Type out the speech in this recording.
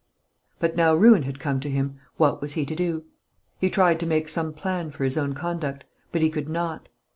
But now ruin had come to him, what was he to do? He tried to make some plan for his own conduct; but he could not.